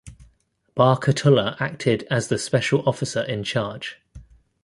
Barkatullah acted as the Special Officer in charge.